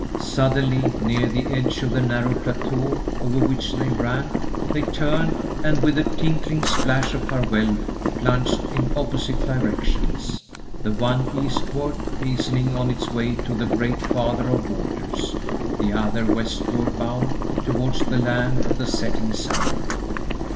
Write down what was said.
Suddenly, near the edge of the narrow plateau over which they ran, they turned, and, with a tinkling plash of farewell, plunged in opposite directions, the one eastward, hastening on its way to the Great Father of Waters, the other westward bound, towards the land of the setting sun.